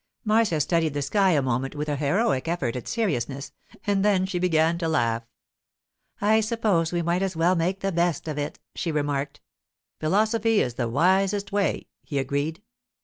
Marcia studied the sky a moment with an heroic effort at seriousness, and then she began to laugh. 'I suppose we might as well make the best of it,' she remarked. 'Philosophy is the wisest way,' he agreed.